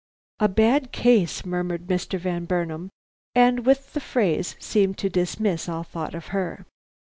"A bad case!" murmured Mr. Van Burnam, and with the phrase seemed to dismiss all thought of her.